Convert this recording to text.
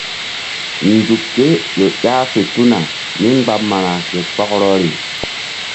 Nzuk ké ƴo ƴah fe tuna mí mgba ma̧ra ke kpɔkrɔri.